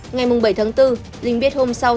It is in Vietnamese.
ngày bảy tháng bốn linh biết hôm sau